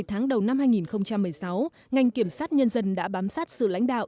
sáu tháng đầu năm hai nghìn một mươi sáu ngành kiểm sát nhân dân đã bám sát sự lãnh đạo